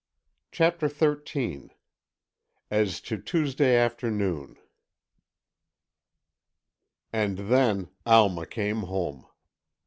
CHAPTER XIII AS TO TUESDAY AFTERNOON And then Alma came home.